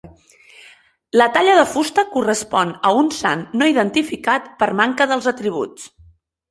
La talla de fusta correspon a un sant no identificat per manca dels atributs.